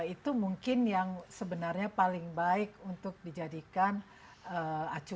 itu mungkin yang sebenarnya paling baik untuk dijadikan acuan